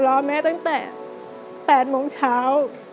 รอแม่ตั้งแต่๘โมงเช้า